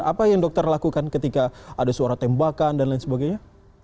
apa yang dokter lakukan ketika ada suara tembakan dan lain sebagainya